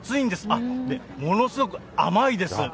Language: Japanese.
あっ、ものすごい甘いです。